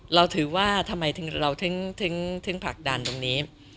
เราถือว่าทำไมเราถึงผลักดันตรงนี้